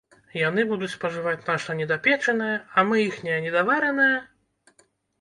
Яны будуць спажываць наша недапечанае, а мы іхняе недаваранае?